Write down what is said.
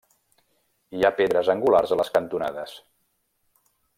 Hi ha pedres angulars a les cantonades.